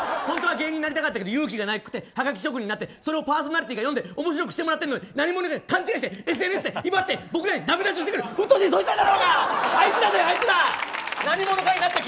本当は芸人になりたかったけど勇気がなくてはがき職人になってそれをパーソナリティーが読んで面白くしてもらってるのに勘違いしてＳＮＳで威張って僕らにダメ出ししてくるうっとうしい、あいつらだろ！